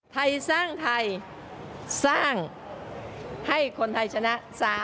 ไทยสร้างไทยสร้างให้คนไทยชนะ